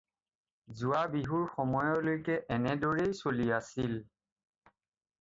যোৱা বিহুৰ সময়লৈকে এনে দৰেই চলি আছিল।